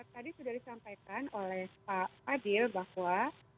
tadi sudah disampaikan oleh pak fadil bahwa